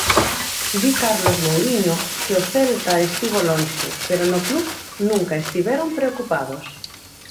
Di Carlos Mouriño que o Celta estivo lonxe pero no club nunca estiveron preocupados.